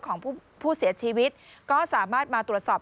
ของผู้เสียชีวิตก็สามารถมาตรวจสอบ